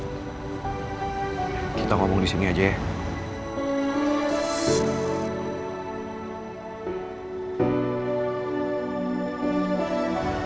put kita ngomong disini aja ya